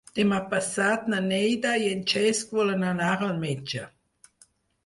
Demà passat na Neida i en Cesc volen anar al metge.